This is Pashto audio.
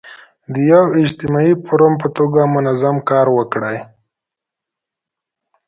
د یو اجتماعي فورم په توګه منظم کار وکړي.